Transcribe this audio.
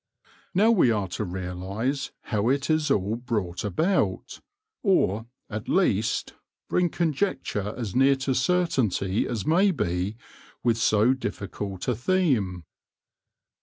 Now we are to realise how it is all brought about; or, at least, bring conjecture as near to certainty as may be with so difficult a theme.